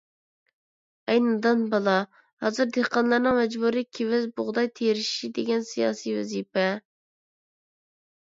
ھەي نادان بالا، ھازىر دېھقانلارنىڭ مەجبۇرىي كېۋەز، بۇغداي تېرىشى دېگەن سىياسىي ۋەزىپە.